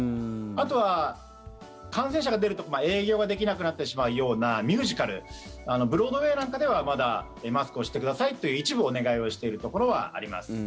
あとは感染者が出ると、営業ができなくなってしまうようなミュージカルブロードウェーなんかではまだマスクをしてくださいと一部お願いをしているところはあります。